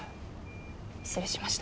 失礼しました。